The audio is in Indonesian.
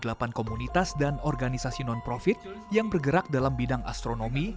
atas dua puluh delapan komunitas dan organisasi non profit yang bergerak dalam bidang astronomi